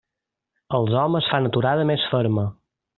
Els homes fan aturada més ferma.